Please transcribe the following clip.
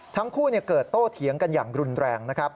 ทั้งคู่เกิดโต้เถียงกันอย่างรุนแรงนะครับ